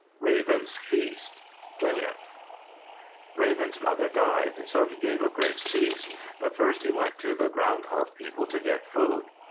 RAVEN'S FEAST Tlingit Raven's mother died, so he gave a great feast, but first he went to the Ground hog people to get food.